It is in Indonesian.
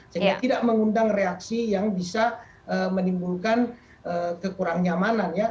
sehingga tidak mengundang reaksi yang bisa menimbulkan kekurangnyamanan ya